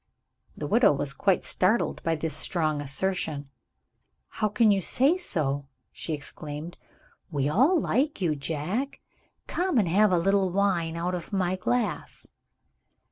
The widow was quite startled by this strong assertion. "How can you say so?" she exclaimed. "We all like you, Jack. Come and have a little wine, out of my glass."